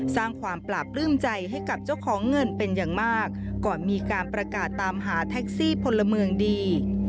สร้างความปราบปลื้มใจให้กับเจ้าของเงินเป็นอย่างมากก่อนมีการประกาศตามหาแท็กซี่พลเมืองดี